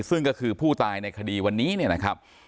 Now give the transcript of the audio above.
ซึ่งก็คือผู้ตายในคดีวันนี้เนี่ยนะครับ